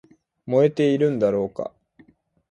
燃えているんだろうか